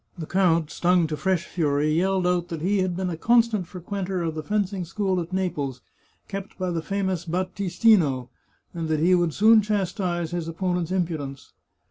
The count, stung to fresh fury, yelled out that he had been a constant fre quenter of the fencing school at Naples, kept by the famous Battistino, and that he would soon chastise his opponent's impudence.